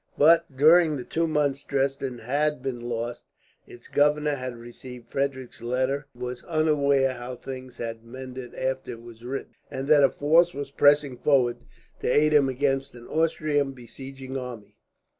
But during the two months Dresden had been lost. Its governor had received Frederick's letter, and was unaware how things had mended after it was written, and that a force was pressing forward to aid him against an Austrian besieging army.